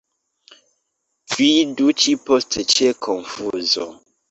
Vidu ĉi-poste ĉe Konfuzo.